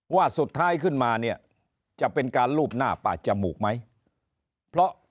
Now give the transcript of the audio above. ว่าสุดท้ายขึ้นมาเนี่ยจะเป็นการลูบหน้าปากจมูกไหมเพราะ